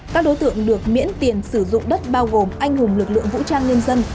các đối tượng được miễn tiền sử dụng đất bao gồm anh hùng lực lượng vũ trang nhân dân